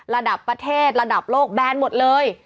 ระดับประเทศระดับโลกแบนหมดเลย